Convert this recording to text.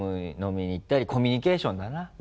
飲みに行ったりコミュニケーションだな。